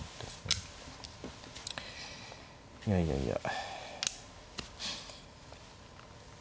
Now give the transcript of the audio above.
いやいやいや。